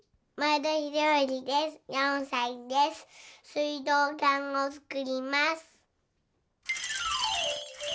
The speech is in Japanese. すいどうかんをつくります。